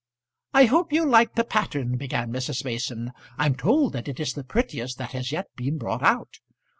"I hope you'll like the pattern," began Mrs. Mason. "I'm told that it is the prettiest that has yet been brought out.